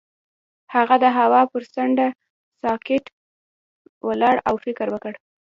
هغه د هوا پر څنډه ساکت ولاړ او فکر وکړ.